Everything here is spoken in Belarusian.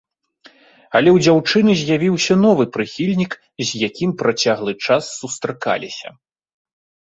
Але ў дзяўчыны з'явіўся новы прыхільнік, з якім працяглы час сустракаліся.